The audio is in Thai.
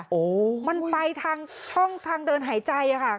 โอ้โหมันไปทางช่องทางเดินหายใจอ่ะค่ะ